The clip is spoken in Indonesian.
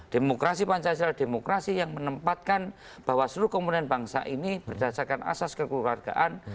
demokrasi pancasila adalah demokrasi yang menempatkan bahwa seluruh komponen bangsa ini berdasarkan asas kekeluargaan